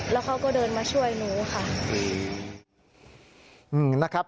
แล้วเขาก็เดินมาช่วยหนูค่ะ